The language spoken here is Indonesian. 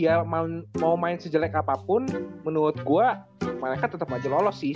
jadi kalau dia mau main sejelek apapun menurut gue mereka tetep aja lolos sih